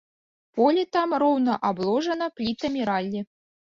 Поле там роўна абложана плітамі раллі.